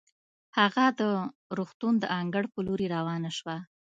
هغه د روغتون د انګړ په لورې روانه شوه.